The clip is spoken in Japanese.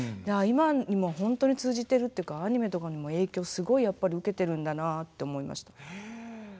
今にも本当に通じてるっていうかアニメとかにも影響すごいやっぱり受けてるんだなって思いました。